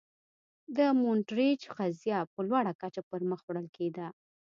د هونټریج قضیه په لوړه کچه پر مخ وړل کېده.